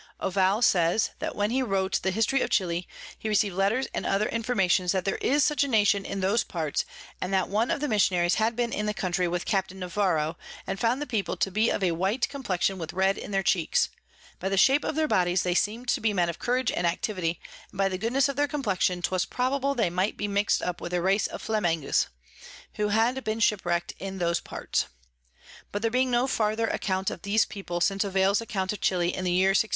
Ovalle says, that when he wrote the History of Chili, he receiv'd Letters and other Informations that there is such a Nation in those parts, and that one of the Missionaries had been in the Country with Captain Navarro, and found the People to be of a white Complexion with red in their Cheeks; by the Shape of their Bodies they seem'd to be Men of Courage and Activity, and by the Goodness of their Complexion 'twas probable they might be mix'd with a Race of Flemmings, who had been ship wreck'd in those parts. But there being no farther Account of these People since Ovalle's Account of Chili in the Year 1646.